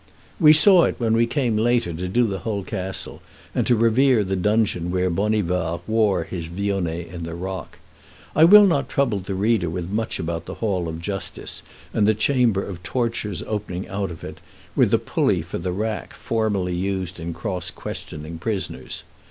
We saw it when we came later to do the whole castle, and to revere the dungeon where Bonivard wore his vionnet in the rock. I will not trouble the reader with much about the Hall of Justice and the Chamber of Tortures opening out of it, with the pulley for the rack formerly used in cross questioning prisoners.